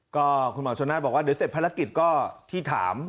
ก็คุณหมอชนน่าบอกว่าเดี๋ยวเสร็จภารกิจก็ที่ถาม